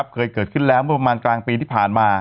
เคยเกิดขึ้นแล้วเมื่อประมาณกลางปีที่ผ่านมา